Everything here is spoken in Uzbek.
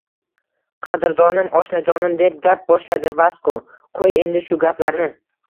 Qadrdonim, oshnajonim, – deb gap boshladi Vasko, – qoʻy endi shu gaplarni.